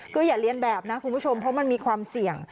ก็อย่าเรียนแบบนะคุณผู้ชมเพราะมันมีความเสี่ยง